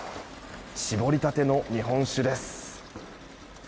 搾りたての日本酒です。